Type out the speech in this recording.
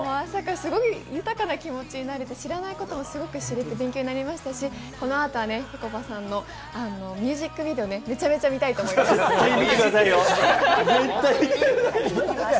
朝がすごく豊かな気持ちになれてすごく知らないことも知れて勉強になりましたし、この後は、ぺこぱさんのミュージックビデオ、めちゃめちゃ見たいぜひ見てくださいよ。